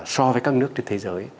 so với các nước trên thế giới